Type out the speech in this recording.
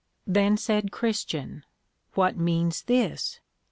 Then said Christian, What means this?